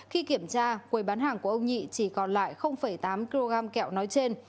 khi kiểm tra quầy bán hàng của ông nhị chỉ còn lại tám kg kẹo nói trên